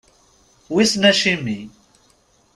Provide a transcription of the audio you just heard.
Wissen acimi?